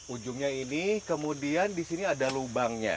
ujungnya ini kemudian di sini ada lubangnya